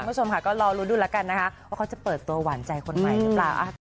คุณผู้ชมค่ะก็รอลุ้นดูแล้วกันนะคะว่าเขาจะเปิดตัวหวานใจคนใหม่หรือเปล่า